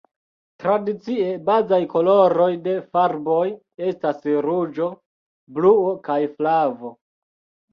Tradicie, bazaj koloroj de farboj estas ruĝo, bluo kaj flavo.